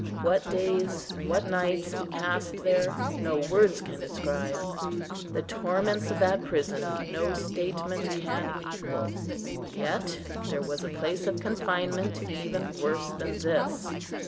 What days, what nights we passed there no words can describe. The torments of that prison no statement can equal." Yet there was a place of confinement even worse than this.